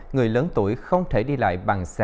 người lớn tuổi không thể đi lại